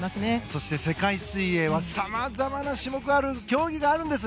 そして世界水泳はさまざまな種目や競技があるんです。